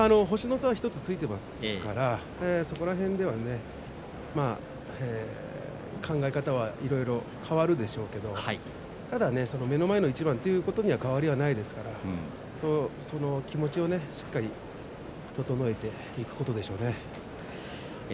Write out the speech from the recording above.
星の差は１つついてますからその辺では考え方、いろいろ変わるでしょうけれどただ目の前の一番ということには変わりがないですからその気持ちをしっかり整えていくことでしょうね。